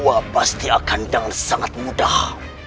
wah pasti akan dengan sangat mudah